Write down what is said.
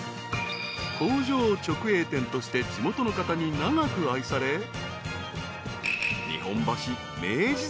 ［工場直営店として地元の方に長く愛され］